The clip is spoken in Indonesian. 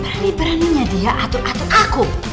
berani beraninya dia atur atur aku